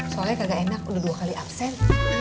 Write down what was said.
soalnya kagak enak udah dua kali absen